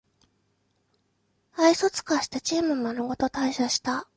愛想つかしてチームまるごと退社した